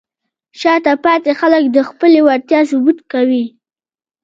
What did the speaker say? شاته پاتې خلک د خپلې وړتیا ثبوت کوي.